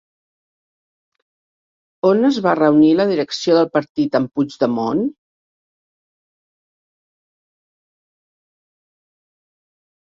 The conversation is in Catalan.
On es va reunir la direcció del partit amb Puigdemont?